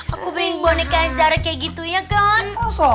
aku beli boneka sejarah kayak gitu ya kan